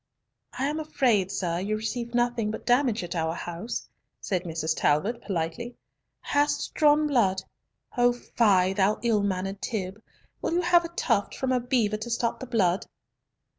"I am afraid, air, you receive nothing but damage at our house," said Mrs. Talbot politely. "Hast drawn blood? Oh fie! thou ill mannered Tib! Will you have a tuft from a beaver to stop the blood?"